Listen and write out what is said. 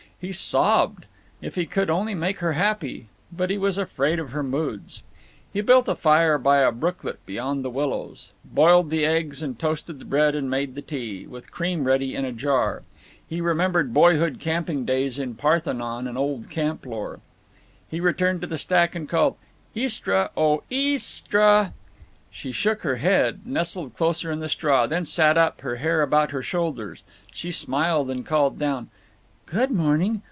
He sobbed. If he could only make her happy! But he was afraid of her moods. He built a fire by a brooklet beyond the willows, boiled the eggs and toasted the bread and made the tea, with cream ready in a jar. He remembered boyhood camping days in Parthenon and old camp lore. He returned to the stack and called, "Istra—oh, Is tra!" She shook her head, nestled closer into the straw, then sat up, her hair about her shoulders. She smiled and called down: "Good morning.